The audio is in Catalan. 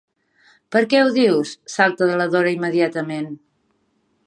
Per què ho dius? —salta la Dora immediatament—.